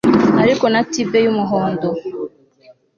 Ariko na Tiber yumuhondo